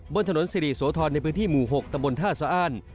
บนถนนสิริโสธรในพื้นที่หมู่๖ตำบลท่าสะอ้าน